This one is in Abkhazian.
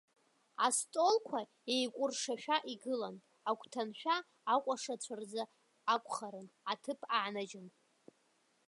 Астолқәа еикәыршашәа игылан, агәҭаншәа, акәашацәа рзы акәхарын, аҭыԥ ааныжьын.